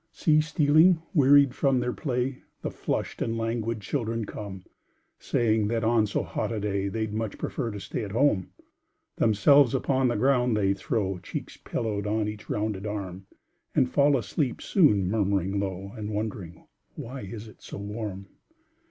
See stealing, wearied from their play, The flushed and languid children come, Saying that on so hot a day They'd much prefer to stay at home. Themselves upon the ground they throw, Cheeks pillowed on each rounded arm And fall asleep soon, murmuring low, And wondering "why it is so warm?"